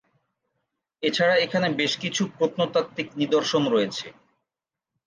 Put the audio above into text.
এছাড়া এখানে বেশ কিছু প্রত্নতাত্ত্বিক নিদর্শন রয়েছে।